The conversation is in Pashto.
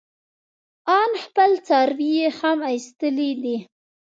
ان خپل څاروي يې هم ايستلي دي.